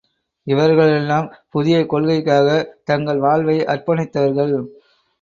இவர்களெல்லாம் புதிய கொள்கைக்காகத் தங்கள் வாழ்வை அர்ப்பணித்தவர்கள்.